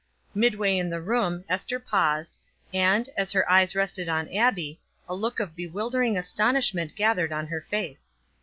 Midway in the room Ester paused, and, as her eyes rested on Abbie, a look of bewildering astonishment gathered on her face.